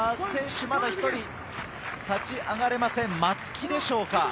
選手１人、立ち上がれません、松木でしょうか。